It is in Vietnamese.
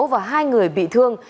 và hai người bị thương